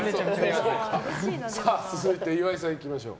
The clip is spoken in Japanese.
続いて、岩井さんいきましょう。